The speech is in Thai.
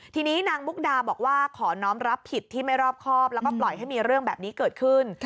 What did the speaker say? ทีนี้นางมุกดาบอกว่าขอน้องรับผิดที่ไม่รอบครอบแล้วก็ปล่อยให้มีเรื่องแบบนี้เกิดขึ้น